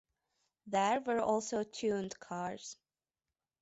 There were also tuned cars.